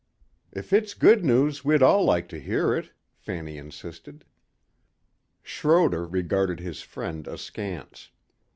"If it's good news we'd all like to hear it," Fanny insisted. Schroder regarded his friend askance.